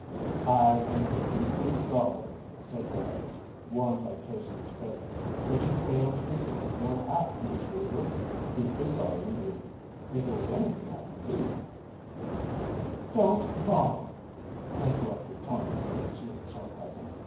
"I am deeply sorry," said Burrows, warned by Pearson's fate, "that you failed to receive your hat, Miss Weaver—deeply sorry, indeed. If there was anything I could do—" "Don't bother," interrupted Tonia, with sweet sarcasm.